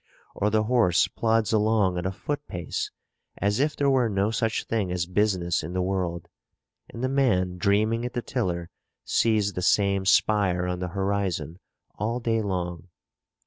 Or the horse plods along at a foot pace as if there were no such thing as business in the world; and the man dreaming at the tiller sees the same spire on the horizon all day long.